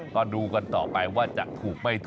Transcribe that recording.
ก็ดูกันต่อไปว่าจะถูกไม่ถูก